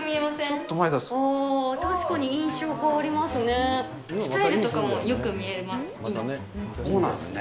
おー、確かに印象変わりますスタイルとかもよく見えます。